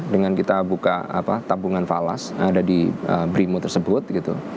dengan kita buka tabungan falas ada di brimo tersebut gitu